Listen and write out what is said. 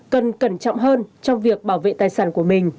cần cẩn trọng hơn trong việc bảo vệ tài sản của mình